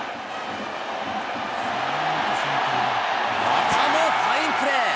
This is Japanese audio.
またもファインプレー。